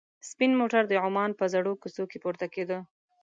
سپین موټر د عمان په زړو کوڅو کې پورته کېده.